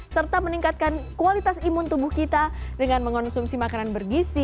serta meningkatkan kualitas imun tubuh kita dengan mengonsumsi makanan bergisi